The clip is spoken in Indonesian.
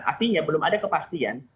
artinya belum ada kepastian